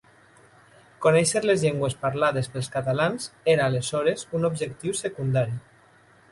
Conèixer les llengües parlades pels catalans era aleshores un objectiu secundari.